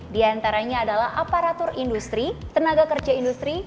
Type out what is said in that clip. di antaranya adalah aparatur industri tenaga kerja industri